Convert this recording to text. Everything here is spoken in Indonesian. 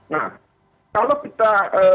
nah kalau kita